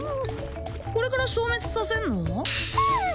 これから消滅させんの？